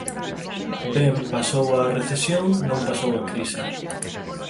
Ben, pasou a recesión, non pasou a crise.